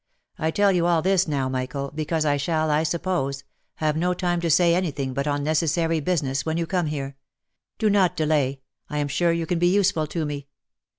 I tell you all this now, Michael, because I shall, I suppose, have no time to say any thing but on necessary business when you come here. Do not delay, I am sure you can be useful to me.